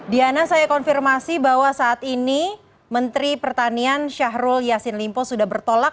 diana saya konfirmasi bahwa saat ini menteri pertanian syahrul yassin limpo sudah bertolak